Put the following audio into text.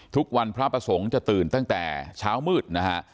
พระประสงค์จะตื่นตั้งแต่เช้ามืดนะฮะ